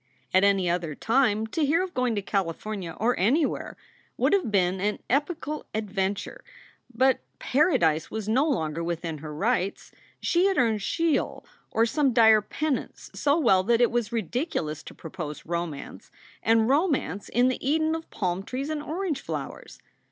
At any other time, to hear of going to California, or anywhere, would have been an epochal adven ture. But Paradise was no longer within her rights. She had earned Sheol or some dire penance so well that it was lidiculous to propose romance, and romance in the Eden of palm trees and orange flowers.